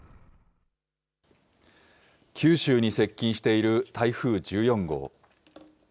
九州に接近している台風１４号。